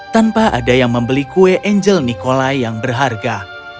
tanpa ada yang membeli kue angel nikolai yang berharga